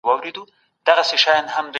هغه پوهان د سياست په اړه نوي فکرونه خپروي.